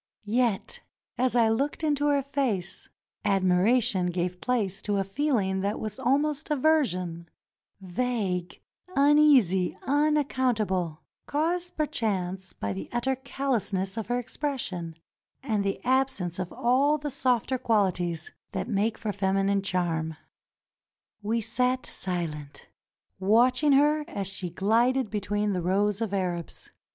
Yet as I looked into her face, admiration gave place to a feeling that was almost aversion, vague, uneasy, unaccountable, caused perchance by the utter callousness of her expression and the absence of all the softer qualities that make for feminine charm. 368 THE MUSIC OF THE DESERT We sat silent, watching her as she glided between the rows of Arabs.